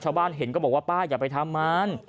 ชาวบ้านเห็นก็บอกว่าป้าอย่าไปทำมัน